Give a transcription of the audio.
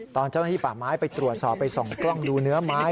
ตอนเจ้าหน้าที่ป่าไม้ไปตรวจสอบไปส่องกล้องดูเนื้อไม้